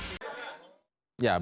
pemerintah lampung jakarta